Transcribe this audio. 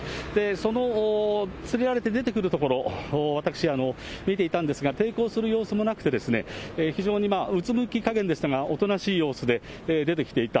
その、連れられて出てくる所、私、見ていたんですが、抵抗する様子もなくて、非常にうつむき加減でしたが、おとなしい様子で出てきていた。